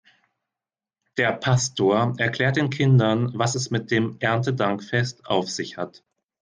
Der Pastor erklärt den Kindern, was es mit dem Erntedankfest auf sich hat.